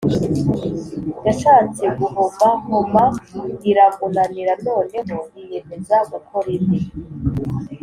yashatse guhomahoma iramunanira noneho yiyemeza gukora indi